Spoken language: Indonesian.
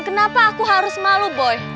kenapa aku harus malu boy